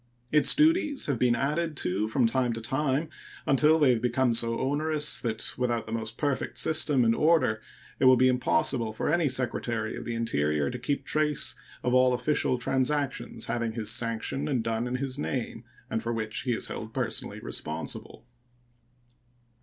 Its duties have been added to from time to time until they have become so onerous that without the most perfect system and order it will be impossible for any Secretary of the Interior to keep trace of all official transactions having his sanction and done in his name, and for which he is held personally responsible.